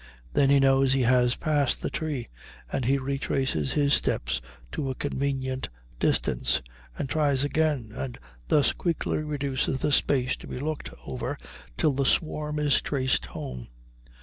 Then he knows he has passed the tree, and he retraces his steps to a convenient distance and tries again, and thus quickly reduces the space to be looked over till the swarm is traced home.